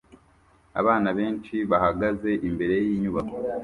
Abana benshi bahagaze imbere yinyubako